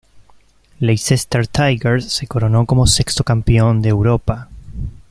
Leicester Tigers se coronó como sexto Campeón de Europa.